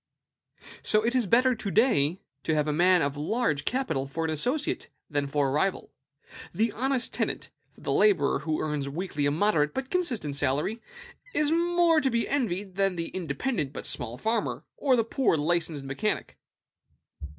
So it is better to day to have a man of large capital for an associate than for a rival. The honest tenant the laborer who earns weekly a moderate but constant salary is more to be envied than the independent but small farmer, or the poor licensed mechanic.